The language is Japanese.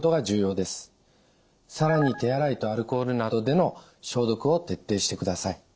更に手洗いとアルコールなどでの消毒を徹底してください。